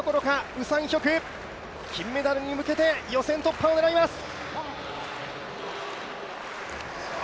ウ・サンヒョク、金メダルに向けて予選突破を狙います。